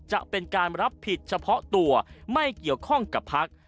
จะเป็นการรับผิดเฉพาะตัวไม่เกี่ยวข้องกับพัก